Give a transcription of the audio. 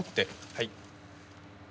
はい。